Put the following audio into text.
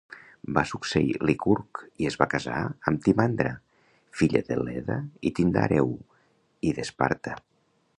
Va succeir Licurg, i es va casar amb Timandra, filla de Leda i Tindàreu i d'Esparta.